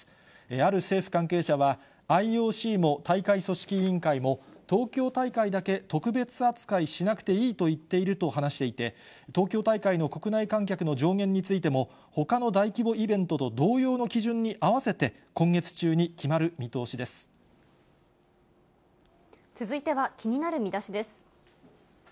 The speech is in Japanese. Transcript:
ある政府関係者は、ＩＯＣも大会組織委員会も、東京大会だけ特別扱いしなくていいと言っていると話していて、東京大会の国内観客の上限についても、ほかの大規模イベントと同様の基準に合わせて、今月中に決まる見続いては、気になるミダシです。